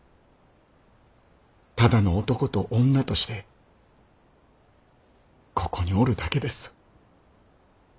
ただの男と女としてここにおるだけです。